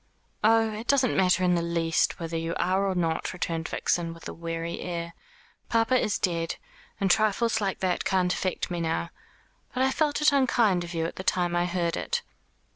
"Oh, it doesn't matter in the least whether you are or not," returned Vixen, with a weary air. "Papa is dead, and trifles like that can't affect me now. But I felt it unkind of you at the time I heard it."